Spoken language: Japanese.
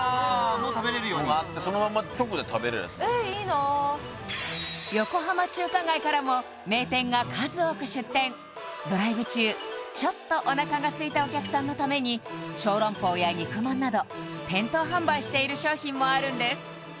もう食べれるようにのがあってそのまま直で食べれたりするんですよえっいいな横浜中華街からも名店が数多く出店ドライブ中ちょっとおなかがすいたお客さんのために小籠包や肉まんなど店頭販売している商品もあるんです